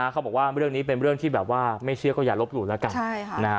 เขาบอกว่าเรื่องนี้เป็นเรื่องที่แบบว่าไม่เชื่อก็อย่าลบหลู่แล้วกัน